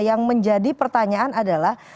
yang menjadi pertanyaan adalah